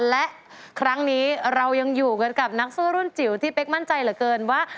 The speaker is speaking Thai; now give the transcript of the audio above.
และครั้งนี้เรายังอยู่กันกับนักสู้รุ่นจิ๋วที่เป๊กมั่นใจเหลือเกินว่า